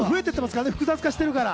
複雑化してるから。